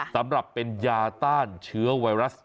สำหรับเป็นยาต้านเชื้อไวรัส